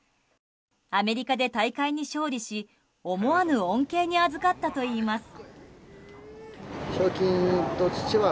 アメリカで大会に勝利し思わぬ恩恵にあずかったといいます。